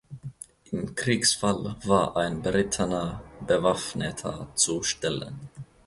Im Kriegsfall war ein berittener Bewaffneter zu stellen.